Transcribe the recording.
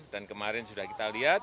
dan kemarin sudah kita lihat